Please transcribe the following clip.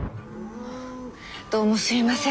どうもすいません。